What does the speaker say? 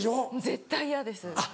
絶対嫌です。